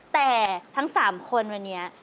แต่ทั้ง๓คนวันนี้